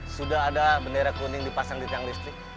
sudah ada bendera kuning dipasang di tiang listrik